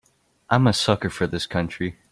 I'm a sucker for this country.